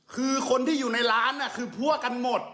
คือคนที่อยู่ในร้านคือพวกกันหมด